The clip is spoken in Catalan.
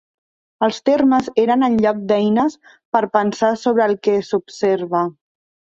Els termes eren en lloc d'eines per pensar sobre el que s'observa.